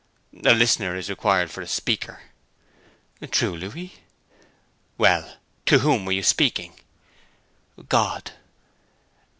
'A listener is required for a speaker.' 'True, Louis.' 'Well, to whom were you speaking?' 'God.'